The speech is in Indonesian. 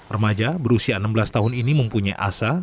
remaja berusia enam belas tahun ini mempunyai asa